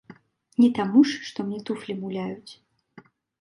Не таму ж, што мне туфлі муляюць.